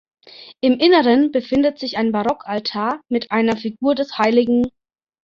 Im Inneren befindet sich ein Barockaltar mit einer Figur des Hl.